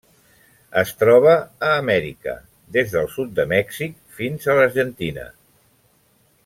Es troba a Amèrica: des del sud de Mèxic fins a l'Argentina.